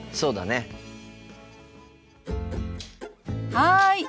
はい。